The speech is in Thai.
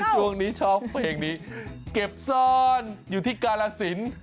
ช่วงนี้ชอบเพลงนี้เก็บซ่อนอยู่ที่กาลสิน